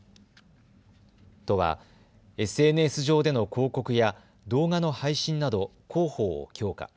都はＳＮＳ上での広告や動画の配信など広報を強化。